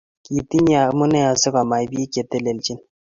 Kitinye amune asikomach bik che telelchini